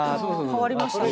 変わりましたね。